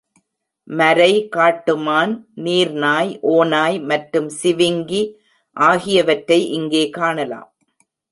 மரை காட்டுமான், நீர்நாய், ஓநாய், மற்றும் சிவிங்கி ஆகியவற்றை இங்கே காணலாம்.